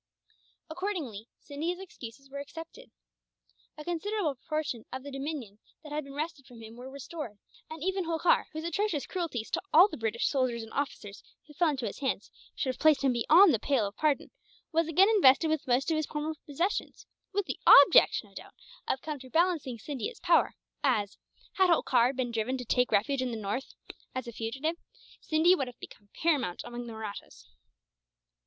Accordingly, Scindia's excuses were accepted. A considerable portion of the dominions that had been wrested from him were restored; and even Holkar, whose atrocious cruelties to all the British soldiers and officers who fell into his hands should have placed him beyond the pale of pardon, was again invested with most of his former possessions with the object, no doubt, of counterbalancing Scindia's power as, had Holkar been driven to take refuge in the north, as a fugitive, Scindia would have become paramount among the Mahrattas.